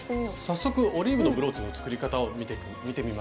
早速「オリーブのブローチ」の作り方を見てみましょう。